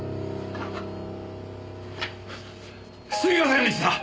すみませんでした！